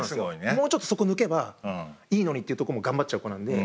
もうちょっとそこ抜けばいいのにっていうとこも頑張っちゃう子なので。